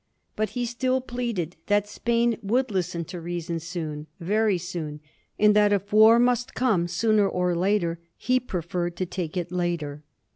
But he still pleaded that Spain would listen to reason soon, very soon, and that if war must come sooner or later he preferred to take it later.